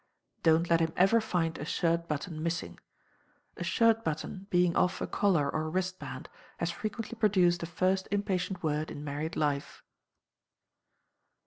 Don't let him ever find a shirt button missing. A shirt button being off a collar or wrist band has frequently produced the first impatient word in married Life.